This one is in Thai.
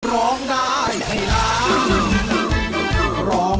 ร้องได้ให้ร้อง